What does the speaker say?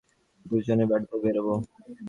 পুজোর সময় অন্তত দু মাসের জন্যে দুজনে বেড়াতে বেরোব।